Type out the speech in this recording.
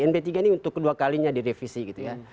np tiga ini untuk kedua kalinya direvisi gitu ya